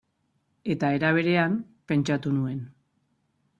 Eta era berean, pentsatu nuen.